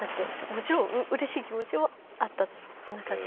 もちろんうれしい気持ちもあった中で。